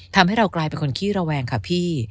ทำให้เรากลายเป็นคนขี้ระแวงค่ะพี่